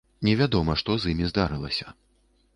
Невядома, што з імі здарылася.